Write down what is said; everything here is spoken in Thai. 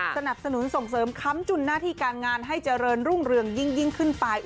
สนับสนุนส่งเสริมค้ำจุนหน้าที่การงานให้เจริญรุ่งเรืองยิ่งขึ้นไป